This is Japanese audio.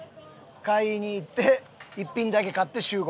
買いに行って一品だけ買って集合。